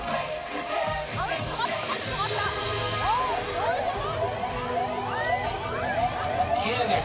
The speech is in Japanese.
そういうこと？